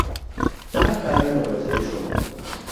فقط برای مراجعه شما